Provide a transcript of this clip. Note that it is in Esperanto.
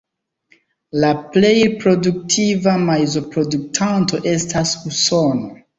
La plej produktiva maizo-produktanto estas Usono.